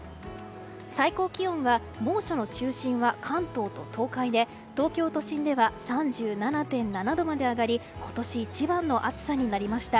最高気温は、猛暑の中心は関東と東海で東京都心では３７．７度まで上がり今年一番の暑さになりました。